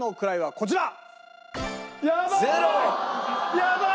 やばい！